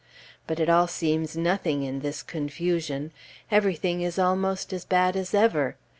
But it all seems nothing in this confusion; everything is almost as bad as ever.